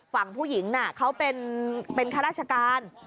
ฝั่งผู้หญิงน่ะเขาเป็นข้าราชการ